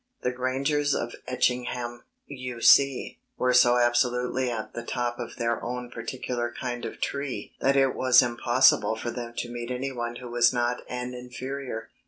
The Grangers of Etchingham, you see, were so absolutely at the top of their own particular kind of tree that it was impossible for them to meet anyone who was not an inferior.